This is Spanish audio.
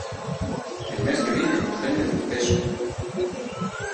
El mes que viene nos venden al peso.